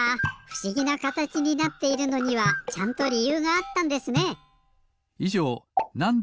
ふしぎなかたちになっているのにはちゃんとりゆうがあったんですね。